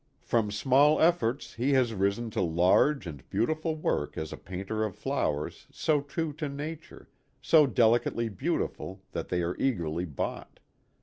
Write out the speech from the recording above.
From small efforts he has risen to large and beautiful work as a painter of flowers so true to nature, so delicately beautiful, that they are eagerly bought.